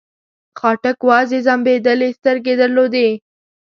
خاټک وازې ځمبېدلې سترګې درلودې.